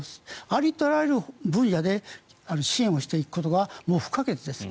ありとあらゆる分野で支援をすることが不可欠です。